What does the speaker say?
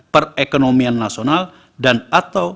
perekonomian nasional dan juga pendapatan negara